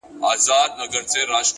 هره هڅه د راتلونکي نښه پرېږدي!